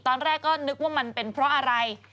ตอนแรกก็นึกว่ามันเป็นเพราะอะไร